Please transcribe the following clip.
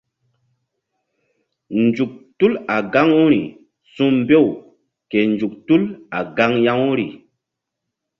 Nzuk tul a gaŋuri su̧mbew ke nzuk tul a gaŋ ya-uri.